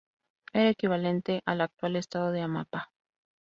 Era equivalente al actual estado de Amapá.